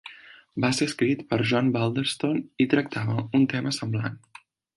Va ser escrit per John Balderston i tractava un tema semblant.